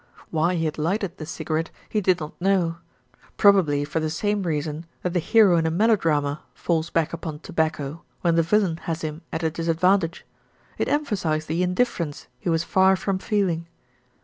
Why he had lighted the cigarette, he did not know; probably for the same reason that the hero in a melo drama falls back upon tobacco when the villain has him at a disadvantage. It emphasised the indifference he was far from feeling.